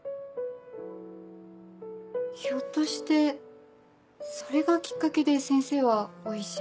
ひょっとしてそれがきっかけで先生はお医者。